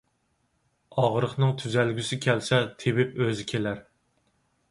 ئاغرىقنىڭ تۈزەلگۈسى كەلسە، تېۋىپ ئۆزى كېلەر.